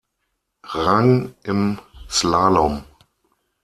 Rang im Slalom.